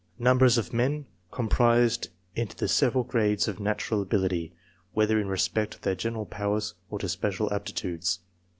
Numbers of men comprised in the several grades of natural ability, whether in respect to their general powers, or to special aptitudes.